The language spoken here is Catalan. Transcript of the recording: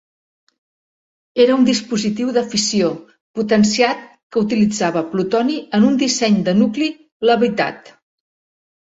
Era un dispositiu de fissió potenciat que utilitzava plutoni en un disseny de nucli "levitat".